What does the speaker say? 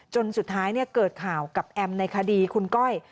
จนสุดท้ายเกิดข่าวกับแอมในคดีคุณก้อย